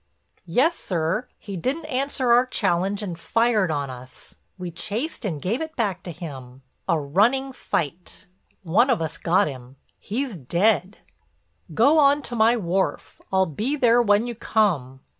"Yes, sir. He didn't answer our challenge and fired on us. We chased and gave it back to him—a running fight. One of us got him—he's dead." "Go on to my wharf; I'll be there when you come."